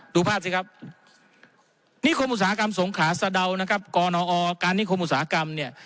ดูภาษีครับนิคมุษากรรมสงขาสะเดานะครับกศการณ์นิคมุษากรรมเนี่ย